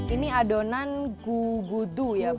ini adonan gugudu ya bu